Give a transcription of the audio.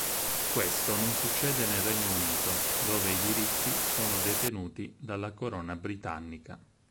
Questo non succede nel Regno Unito, dove i diritti sono detenuti dalla Corona Britannica.